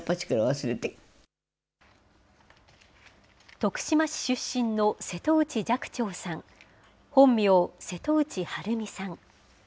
徳島市出身の瀬戸内寂聴さん、本名・瀬戸内晴美さん。